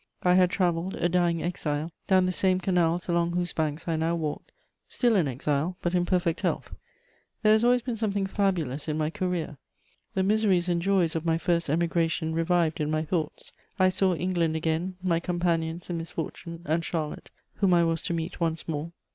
I had travelled, a dying exile, down the same canals along whose banks I now walked, still an exile, but in perfect health: there has always been something fabulous in my career! The miseries and joys of my first emigration revived in my thoughts; I saw England again, my companions in misfortune, and Charlotte, whom I was to meet once more.